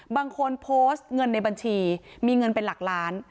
บางคนโพสต์เงินในบัญชีมีเงินเป็นหลักล้าน